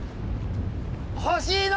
欲しいの！